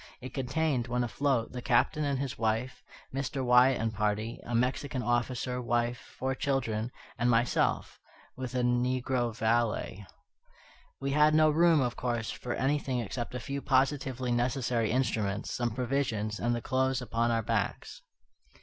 It contained, when afloat, the Captain and his wife, Mr. Wyatt and party, a Mexican officer, wife, four children, and myself, with a negro valet. We had no room, of course, for anything except a few positively necessary instruments, some provisions, and the clothes upon our backs.